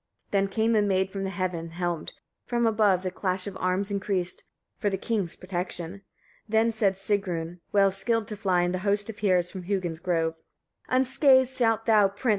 53. Then came a maid from heaven, helmed, from above the clash of arms increased for the king's protection. Then said Sigrun well skilled to fly to the host of heroes from Hugin's grove 54. "Unscathed shalt thou, prince!